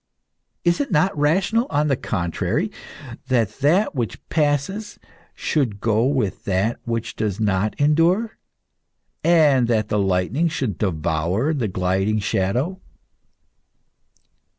Is it not rational, on the contrary, that that which passes should go with that which does not endure, and that the lightning should devour the gliding shadow?"